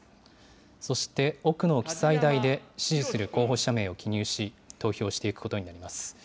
そして奥の記載台で支持する候補者名を記入し、投票していくことになります。